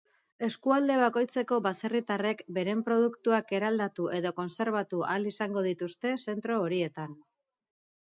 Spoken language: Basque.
Eskualde bakoitzeko baserritarrek beren produktuak eraldatu edo kontserbatu ahal izango dituzte zentro horietan.